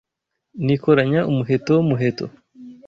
Nikoranya umuheto Muheto